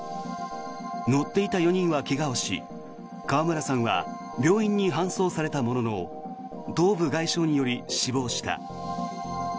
乗っていた４人は怪我をし川村さんは病院に搬送されたものの頭部外傷により死亡した。